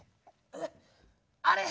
あれ？